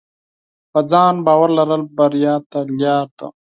په ځان باور لرل بریا ته لار ده.